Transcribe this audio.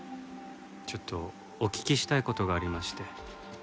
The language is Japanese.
ちょっとお聞きしたい事がありまして。